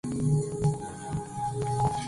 Tiene su sede en Albany.